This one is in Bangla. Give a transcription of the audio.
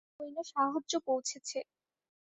সৈন্য সাহায্য পৌঁছেছে।